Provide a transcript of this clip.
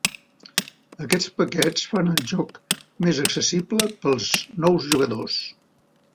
Aquests paquets fan el joc més accessible per als nous jugadors.